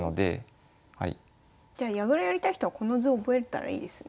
じゃあ矢倉やりたい人はこの図を覚えたらいいですね。